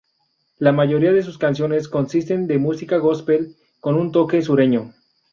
La mayoría de sus canciones consisten de música gospel, con un toque sureño.